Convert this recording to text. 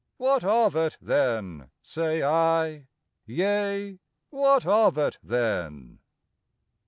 What of it then, say I! yea, what of it then!